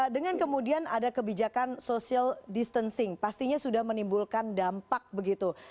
dengan kemudian ada kebijakan social distancing pastinya sudah menimbulkan dampak begitu